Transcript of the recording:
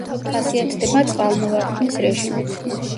ხასიათდება წყალმოვარდნის რეჟიმით.